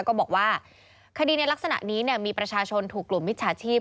ก็บอกว่าคดีในลักษณะนี้มีประชาชนถูกกลุ่มมิจฉาชีพ